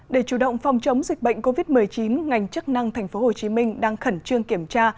để chủ động phòng chống dịch bệnh covid một mươi chín ngành chức năng tp hcm đang khẩn trương kiểm tra